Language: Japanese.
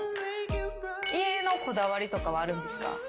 家のこだわりとかはあるんですか？